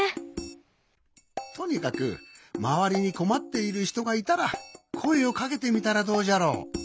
とにかくまわりにこまっているひとがいたらこえをかけてみたらどうじゃろ。